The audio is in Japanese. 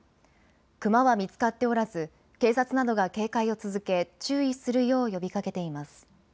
クマは見つかっておらず警察などが警戒を続け注意するよう呼びかけています。